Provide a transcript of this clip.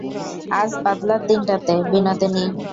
আজ বাদলার দিনটাতে- বিনোদিনী।